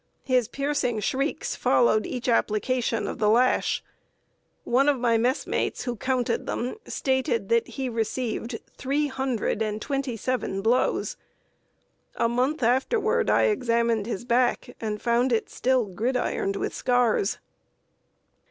His piercing shrieks followed each application of the lash; one of my messmates, who counted them, stated that he received three hundred and twenty seven blows. A month afterward I examined his back, and found it still gridironed with scars.